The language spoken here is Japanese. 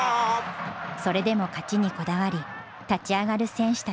それでも勝ちにこだわり立ち上がる選手たち。